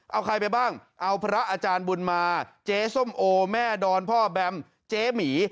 เอาใครไปบ้างเอาพระอาจารย์บุญมาเจ๊ส้มโอแม่ดอนพ่อแบมเจ๊หมี